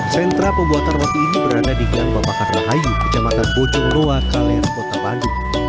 sentra pembuatan roti ini berada di gang bapakat rahayu kejamatan bojongluar kalian kota bandung